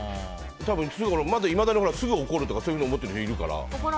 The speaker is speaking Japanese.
いまだに、すぐ怒るとかそういうの思ってる人いるから。